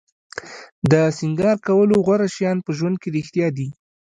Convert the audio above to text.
د سینګار کولو غوره شیان په ژوند کې رښتیا دي.